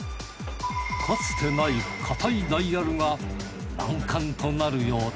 かつてないかたいダイヤルが難関となるようだ